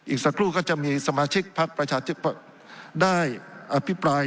อีกสักครู่ก็จะมีสมาชิกพักประชาธิปัตย์ได้อภิปราย